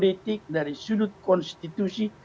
dari sudut politik dari sudut konstitusi